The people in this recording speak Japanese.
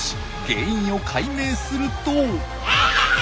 原因を解明すると。